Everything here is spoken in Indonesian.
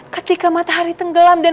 ketika matahari tenggelam dan